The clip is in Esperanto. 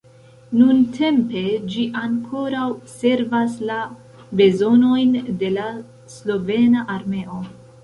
Nuntempe ĝi ankoraŭ servas la bezonojn de la slovena armeo.